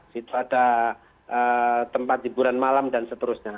di depan gereja ada tempat liburan malam dan seterusnya